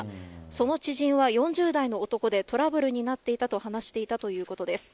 その知人は４０代の男で、トラブルになっていたと話していたということです。